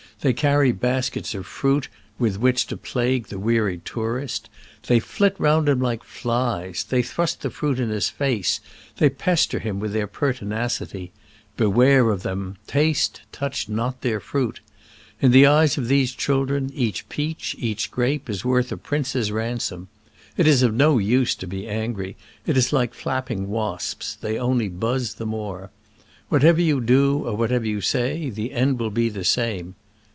They carry baskets of fruit with which to plague the weary tourist. They flit around him like flies; they thrust the fruit in his face ; they pester him with their pertinacity. Beware of them !— taste, touch not their fruit. In the eyes of these children each peach, each grape, is worth a prince's ransom. It is of no use to be angry : it is like flapping wasps — they only buzz the more. What ever you do or whatever you say, the end will be the same.